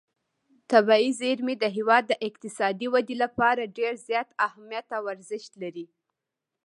طبیعي زیرمې د هېواد د اقتصادي ودې لپاره ډېر زیات اهمیت او ارزښت لري.